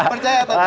percaya atau enggak